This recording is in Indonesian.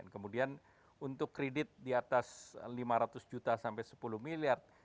kemudian untuk kredit di atas lima ratus juta sampai sepuluh miliar